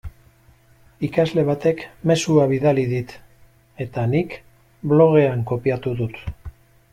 Ikasle batek mezua bidali dit eta nik blogean kopiatu dut.